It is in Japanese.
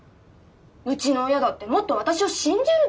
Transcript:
うちの親だってもっと私を信じるべきなのよ。